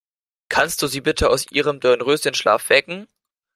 Kannst du sie bitte aus ihrem Dornröschenschlaf wecken?